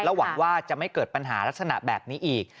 หวังว่าจะไม่เกิดปัญหาลักษณะแบบนี้อีก